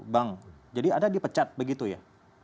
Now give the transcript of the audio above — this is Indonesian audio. bang jadi ada dipecat begitu ya